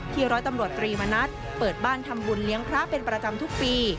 ร้อยตำรวจตรีมณัฐเปิดบ้านทำบุญเลี้ยงพระเป็นประจำทุกปี